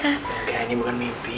hai kain ini bukan mimpi